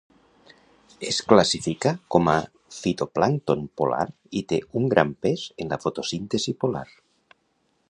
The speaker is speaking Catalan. Es classifica com a fitoplàncton polar i té un gran pes en la fotosíntesi polar.